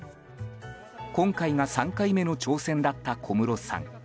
今回が３回目の挑戦だった小室さん。